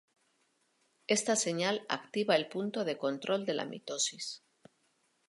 Esta señal activa el punto de control de la mitosis.